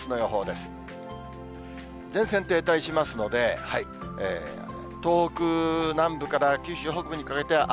前線停滞しますので、東北南部から九州北部にかけては雨。